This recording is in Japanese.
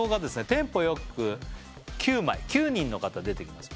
テンポよく９枚９人の方出てきます